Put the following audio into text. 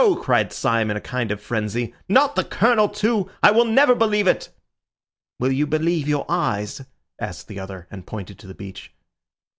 cried Syme in a kind of frenzy, "not the Colonel too! I will never believe it!" "Will you believe your eyes?" asked the other, and pointed to the beach.